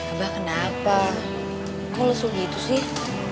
abah kenapa kok lo sulit itu sih